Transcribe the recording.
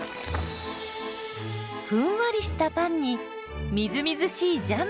ふんわりしたパンにみずみずしいジャム。